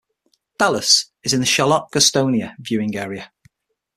Dallas is in the Charlotte-Gastonia viewing area.